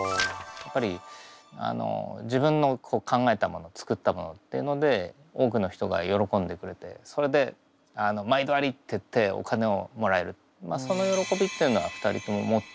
やっぱり自分の考えたもの作ったものっていうので多くの人がよろこんでくれてそれで「毎度あり」って言ってお金をもらえるそのよろこびっていうのは２人とも持っていたと思ってて。